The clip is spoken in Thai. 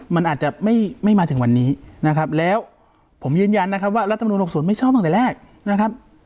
มันอาจจะไม่มาถึงวันนี้แล้วผมยืนยันว่ารัฐมนุม๖๐ไม่ชอบตั้งแต่แรก